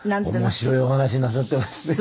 面白いお話なさってますね。